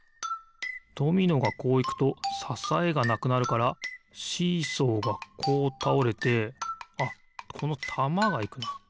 ドミノがこういくとささえがなくなるからシーソーがこうたおれてあっこのたまがいくな。